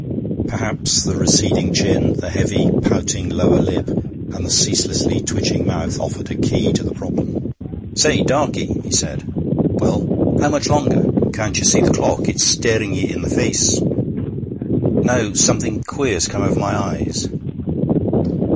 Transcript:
Perhaps the receding chin, the heavy, pouting lower lip, and the ceaselessly twitching mouth offered a key to the problem. 'Say, Darkey!' he said. 'Well?' 'How much longer?' 'Can't ye see the clock? It's staring ye in the face.' 'No. Something queer's come over my eyes.'